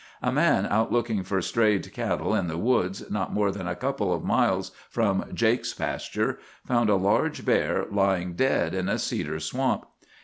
A man out looking for strayed cattle in the woods not more than a couple of miles from Jake's pasture, found a large bear lying dead in a cedar swamp.